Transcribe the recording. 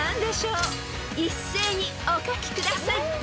［一斉にお書きください］